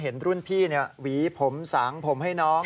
เห็นรุ่นพี่หวีผมสางผมให้น้อง